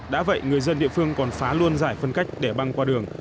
đã vậy người dân địa phương còn phá luôn giải phân cách để băng qua đường